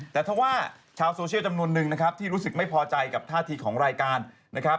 แต่ถ้าว่าชาวโซเชียลจำนวนนึงนะครับที่รู้สึกไม่พอใจกับท่าทีของรายการนะครับ